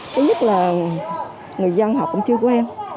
thứ nhất là người dân họ cũng chưa quen